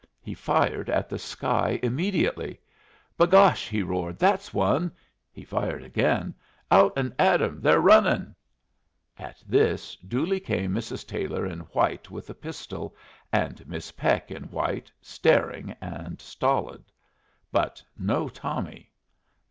He fired at the sky immediately. "B' gosh!" he roared. "That's one." He fired again. "Out and at 'em. They're running." At this, duly came Mrs. Taylor in white with a pistol, and Miss Peck in white, staring and stolid. But no Tommy.